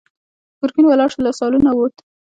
ګرګين ولاړ شو، له سالونه ووت.